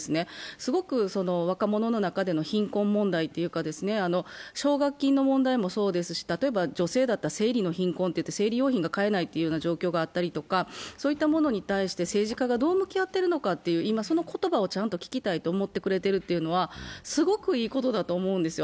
すごく若者の中でも貧困問題というか奨学金の問題もそうですし、女性だったら生理の貧困といって生理用品が買えない状況があったりとか、そういったものに対して政治家がどう向き合ってるのか、今その言葉をちゃんと聞きたいと思ってくれてるというのはすごくいいことだと思うんですよ。